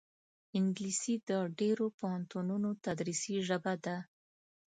انګلیسي د ډېرو پوهنتونونو تدریسي ژبه ده